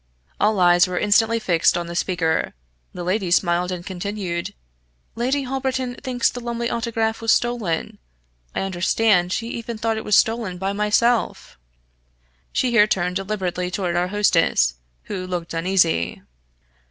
All eyes were instantly fixed on the speaker. The lady smiled and continued: "Lady Holberton thinks the Lumley Autograph was stolen I understand she even thought it was stolen by myself " She here turned deliberately toward our hostess, who looked uneasy.